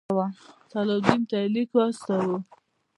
صلاح الدین ته یې لیک واستاوه.